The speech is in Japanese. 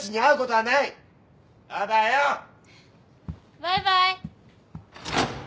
バイバイ。